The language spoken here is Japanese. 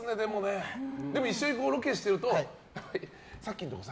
一緒にロケしているとさっきのところさ